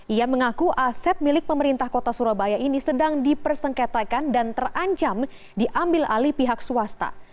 ia mengaku aset milik pemerintah kota surabaya ini sedang dipersengketakan dan terancam diambil alih pihak swasta